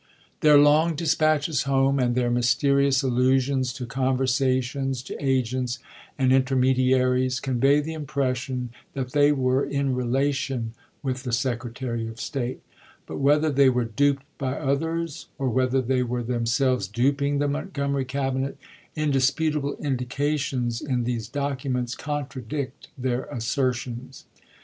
Their long dispatches home, and their mysterious allusions to conversations, to agents, and interme diaries, convey the impression that they were " in relation " with the Secretary of State ; but whether they were duped by others, or whether they were themselves duping the Montgomery cabinet, indis putable indications in these documents contradict their assertions.